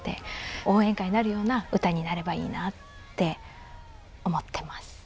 応援歌になるような歌になればいいなって思ってます。